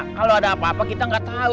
kalau ada apa apa kita gak tau